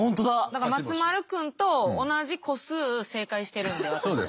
だから松丸君と同じ個数正解してるんで私たち。